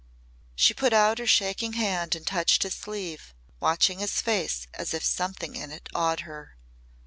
She put out her shaking hand and touched his sleeve, watching his face as if something in it awed her.